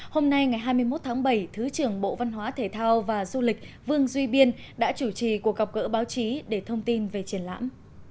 hôm nay ngày hai mươi một tháng bảy thứ trưởng bộ văn hóa thể thao và du lịch vương duy biên đã chủ trì cuộc gặp gỡ báo chí để thông tin về triển lãm